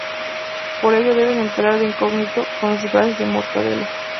Por ello deben entrar de incógnito, con los disfraces de Mortadelo.